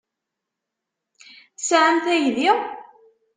Tesɛamt aydi?